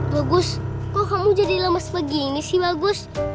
bagus kok kamu jadi lemes begini sih bagus